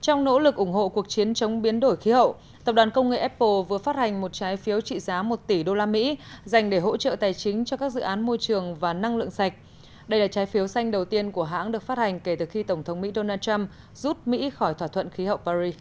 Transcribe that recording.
trong nỗ lực ủng hộ cuộc chiến chống biến đổi khí hậu tập đoàn công nghệ apple vừa phát hành một trái phiếu trị giá một tỷ usd dành để hỗ trợ tài chính cho các dự án môi trường và năng lượng sạch đây là trái phiếu xanh đầu tiên của hãng được phát hành kể từ khi tổng thống mỹ donald trump rút mỹ khỏi thỏa thuận khí hậu paris